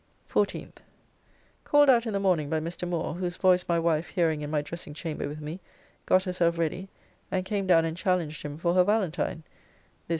14th. Called out in the morning by Mr. Moore, whose voice my wife hearing in my dressing chamber with me, got herself ready, and came down and challenged him for her valentine, this being the day.